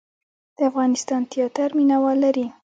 د افغانستان تیاتر مینه وال لري